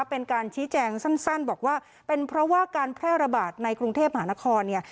เป็นการชี้แจงสั้นบอกว่าเป็นเพราะว่าการแพร่ระบาดในกรุงเทพมหานครเนี่ย